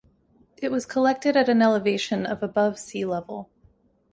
It was collected at an elevation of above sea level.